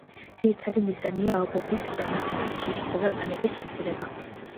ძირითადი მიზანია ობობის დანახვისას შიშისა და პანიკის შემცირება.